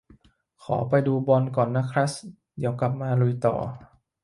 ขอไปดูบอลก่อนนะครัส เดี๋ยวกลับมาลุยต่อ